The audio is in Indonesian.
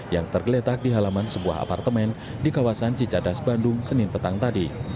yang tergeletak di halaman sebuah apartemen di kawasan cicadas bandung senin petang tadi